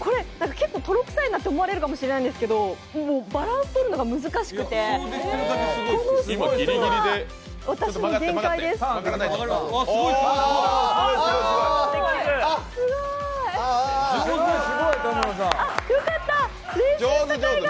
結構、とろくさいなと思われるかもしれないですけどバランスとるのが難しくて、このスピードが私の限界です。